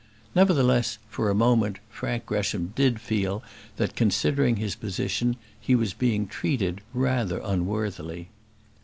Nevertheless, for a moment, Frank Gresham did feel that, considering his position, he was being treated rather unworthily.